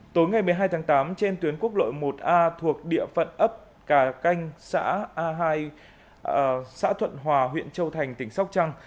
tối ngày một mươi hai tháng tám trên tuyến quốc lội một a thuộc địa phận ấp cà canh xã thuận hòa huyện châu thành tỉnh sóc trăng